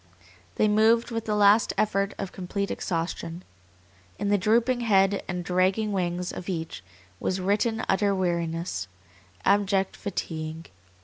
They moved with the last effort of complete exhaustion. In the drooping head and dragging wings of each was written utter weariness, abject fatigue.